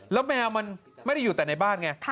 แล้วแมวมันไม่ได้อยู่แต่ในบ้านไง